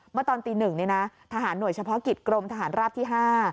เมื่อตอนตีหนึ่งเนี้ยนะทหารหน่วยเฉพาะกิจกรมทหารรับที่ห้่า